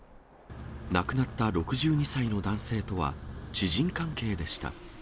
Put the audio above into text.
亡くなった６２歳の男性とは、知人関係でした。